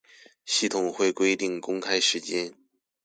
系統會規定公開時間